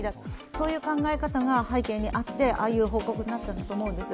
そういう考え方が背景にあってああいう報告になったんだと思うんです。